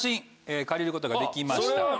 借りることができました。